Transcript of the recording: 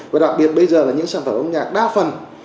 và đặc biệt bây giờ là những sản phẩm âm nhạc đa phần